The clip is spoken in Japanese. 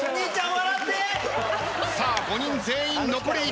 さあ５人全員残り１枚。